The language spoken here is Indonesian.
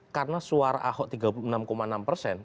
karena suara ahok tiga puluh enam enam persen